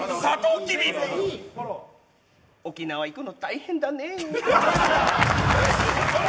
沖縄行くの大変だね。